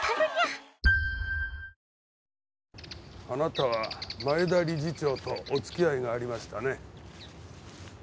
あなたは前田理事長とお付き合いがありましたね。